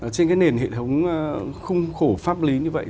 trên cái nền hệ thống khung khổ pháp lý như vậy